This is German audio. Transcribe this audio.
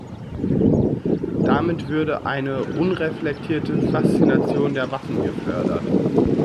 Damit würde eine unreflektierte „Faszination der Waffen“ gefördert.